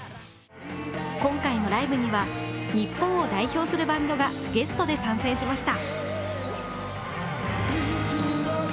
今回のライブには日本を代表するバンドがゲストで参戦しました。